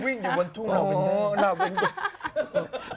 วิ่งอยู่บนทุ่งลาเวนเดอร์